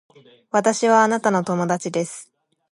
私はあなたの友達です